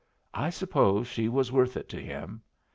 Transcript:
I suppose she was worth it to him.